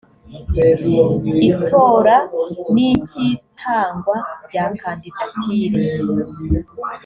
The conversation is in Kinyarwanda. itora n icy itangwa rya kandidatire